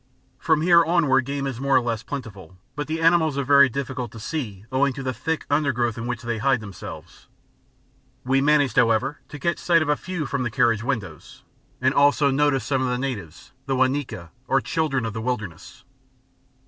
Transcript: From here onward game is more or less plentiful, but the animals are very difficult to see owing to the thick undergrowth in which they hide themselves. We managed, however, to catch sight of a few from the carriage windows, and also noticed some of the natives, the Wa Nyika, or "children of the wilderness."